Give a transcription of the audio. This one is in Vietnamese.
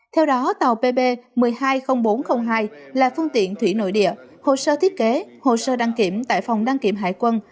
theo đó tàu pb một mươi hai nghìn bốn trăm linh hai là phương tiện thủy nội địa hồ sơ thiết kế hồ sơ đăng kiểm tại phòng đăng kiểm hải quân